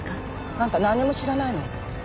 あんた何も知らないの？